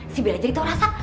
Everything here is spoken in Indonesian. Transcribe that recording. si bella jadi tau rasa